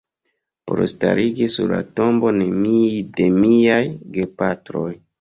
Por starigi sur la tombo de miaj gepatroj.